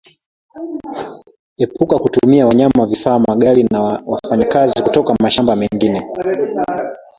Epuka kutumia wanyama vifaa magari na wafanyakazi kutoka mashamba mengine